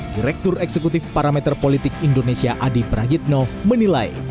direktur eksekutif parameter politik indonesia adi prajitno menilai